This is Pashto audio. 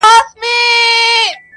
نه دعا نه په جومات کي خیراتونو.!